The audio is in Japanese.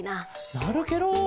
なるケロ！